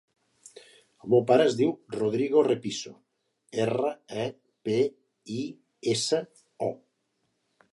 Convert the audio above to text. El meu pare es diu Rodrigo Repiso: erra, e, pe, i, essa, o.